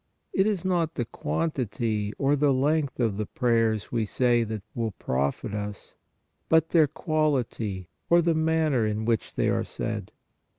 It is not the quantity or the length of the prayers we say that will profit us, but their quality or the man ner in which they are said.